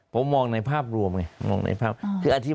ผมมองในภาพรวมแบบนี้